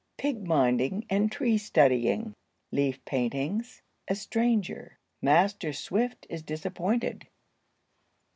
—PIG MINDING AND TREE STUDYING.—LEAF PAINTINGS.—A STRANGER.—MASTER SWIFT IS DISAPPOINTED.